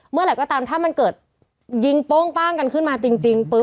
เมื่อไหร่ก็ตามถ้ามันเกิดยิงโป้งป้างกันขึ้นมาจริงปุ๊บ